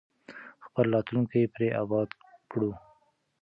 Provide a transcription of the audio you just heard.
خپل راتلونکی پرې اباد کړو.